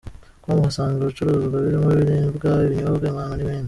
com uhasanga ibicuruzwa birimo ibiribwa, ibinyobwa, impano n’ibindi.